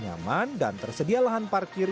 nyaman dan tersedia lahan parkir